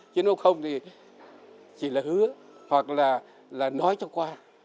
chứ không thì chỉ là hứa hoặc là nói cho qua